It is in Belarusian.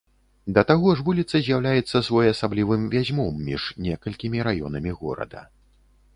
Да таго ж вуліца з'яўляецца своеасаблівым вязьмом між некалькімі раёнамі горада.